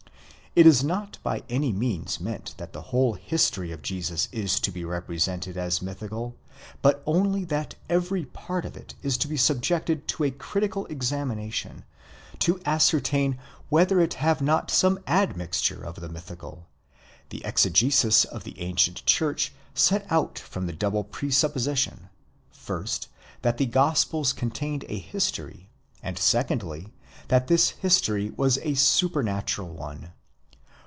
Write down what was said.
It is not by any' means meant that the whole history of Jesus is to be represented as mythical, but only that every part of it is to be subjected to a critical examination, to ascertain whether it have not some admixture of the mythical. The exegesis. of the ancient church set out from the double presupposition : first, that the gospels contained a history, and secondly, that this history was a supernatural one.